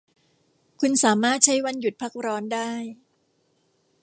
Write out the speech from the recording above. คุณสามารถใช้วันหยุดพักร้อนได้